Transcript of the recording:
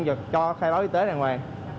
và cho khai báo y tế ra ngoài